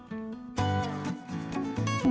apa yang menarik dari mencoba es krim